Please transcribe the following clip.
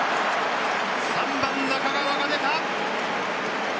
３番・中川が出た。